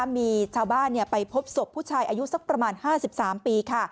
มีชาวบ้านไปพบศพผู้ชายอายุสักประมาณ๕๓ปี